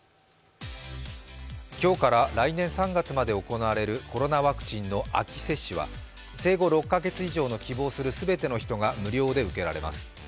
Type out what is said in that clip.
今日から来年３月まで行われるコロナワクチンの秋接種は生後６か月以上の希望するすべての人が無料で受けられます。